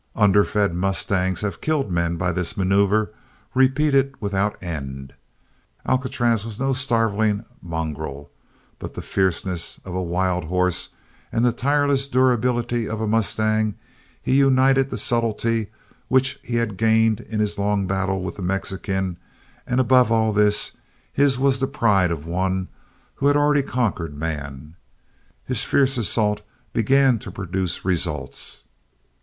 Underfed mustangs have killed men by this maneuver, repeated without end. Alcatraz was no starveling mongrel, but to the fierceness of a wild horse and the tireless durability of a mustang he united the subtlety which he had gained in his long battle with the Mexican and above all this, his was the pride of one who had already conquered man. His fierce assault began to produce results.